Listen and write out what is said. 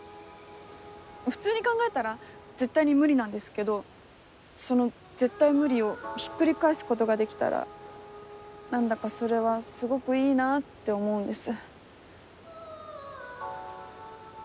普通に考えたら絶対に無理なんですけどその絶対無理をひっくり返すことができたら何だかそれはすごくいいなぁって思うんです。